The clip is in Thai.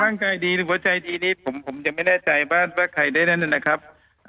ร่างกายดีหรือหัวใจดีนี้ผมยังไม่แน่ใจว่าใครได้นั่นนะครับ